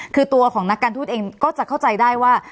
คือตัวของนักการทูตเองก็จะเข้าใจได้ว่า